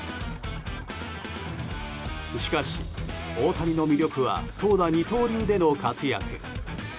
しかし、大谷の魅力は投打二刀流での活躍。